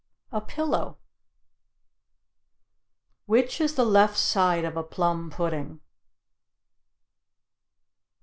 A pillow. Which is the left side of a plum pudding?